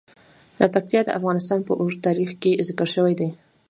پکتیا د افغانستان په اوږده تاریخ کې ذکر شوی دی.